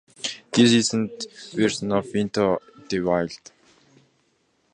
This isn't a version of 'Into the Wild.